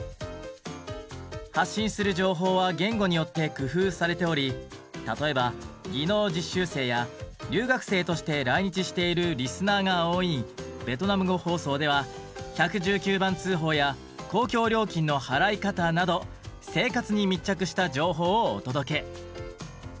発信する情報は言語によって工夫されており例えば技能実習生や留学生として来日しているリスナーが多いベトナム語放送ではなど生活に密着した情報をお届け。